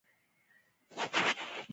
د ستوني د بلغم لپاره کوم چای وڅښم؟